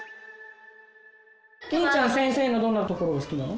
みゆちゃん先生のどんなところが好きなの？